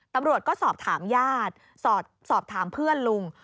ตำรวจก็สอบถามญาติสอบถามเพื่อนลุง